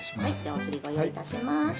お釣りご用意いたします。